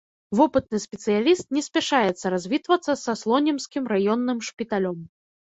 Вопытны спецыяліст не спяшаецца развітвацца са слонімскім раённым шпіталем.